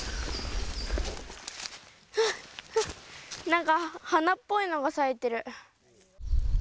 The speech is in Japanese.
なんか、花っぽいのが咲いてる。